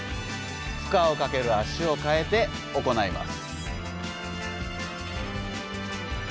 負荷をかける足を替えて行います。